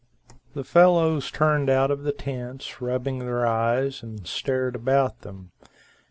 The fellows turned out of the tents, rubbing their eyes, and stared about them.